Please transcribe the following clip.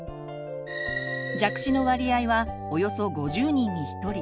弱視の割合はおよそ５０人に１人。